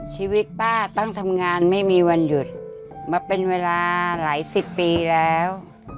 ชีวิตป้าต้องทำงานไม่มีวันหยุดมาเป็นเวลาหลายสิบปีแล้ว